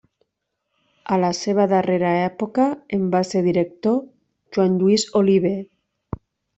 A la seva darrera època en va ser director Joan Lluís Oliver.